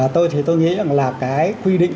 tôi thì tôi nghĩ là cái quy định